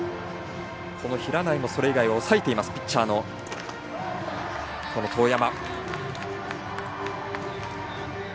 この平内もそれ以外を抑えていますピッチャーの當山。